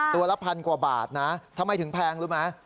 ละพันกว่าบาทนะทำไมถึงแพงรู้ไหม